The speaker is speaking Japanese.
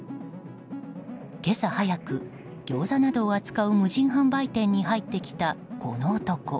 今朝早く、ギョーザなどを扱う無人販売店に入ってきた、この男。